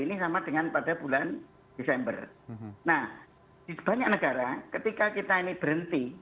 ini sama dengan pada bulan desember nah di banyak negara ketika kita ini berhenti